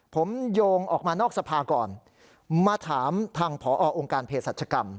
ผมโยงออกมานอกสภาก่อนมาถามทางผอองค์การเพศรัชกรรม